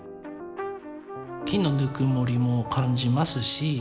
木のぬくもりも感じますし。